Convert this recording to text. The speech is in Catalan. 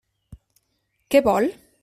Què vol?